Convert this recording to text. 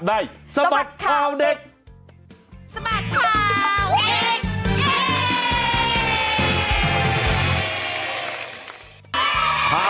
ได้สมัครข่าวเด็ก